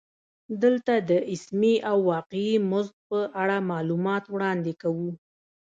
دلته د اسمي او واقعي مزد په اړه معلومات وړاندې کوو